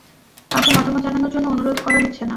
কাউকে মতামত জানানোর জন্য অনুরোধ করা হচ্ছে না।